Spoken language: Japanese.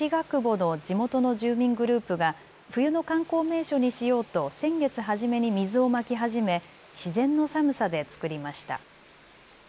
久保の地元の住民グループが冬の観光名所にしようと先月初めに水をまき始め自然の寒さで作りました。